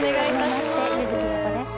初めまして柚月裕子です。